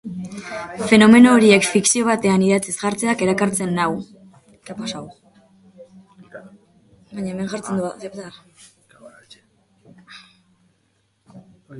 Fenomeno horiek fikzio batean idatziz jartzeak erakartzen nau.